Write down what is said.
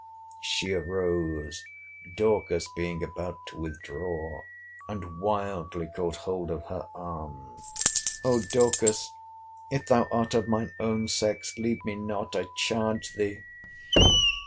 She arose, Dorcas being about to withdraw; and wildly caught hold of her arm: O Dorcas! If thou art of mine own sex, leave me not, I charge thee!